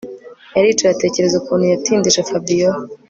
Yaricaye atekereza ukuntu yatindije Fabiora